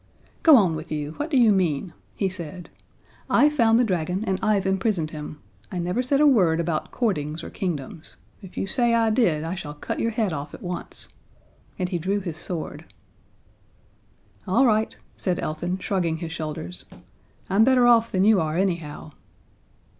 "Go on with you! What do you mean?" he said. "I found the dragon and I've imprisoned him. I never said a word about courtings or kingdoms. If you say I did, I shall cut your head off at once." And he drew his sword. "All right," said Elfin, shrugging his shoulders. "I'm better off than you are, anyhow."